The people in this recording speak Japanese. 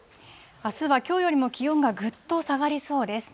あすはきょうよりも気温がぐっと下がりそうです。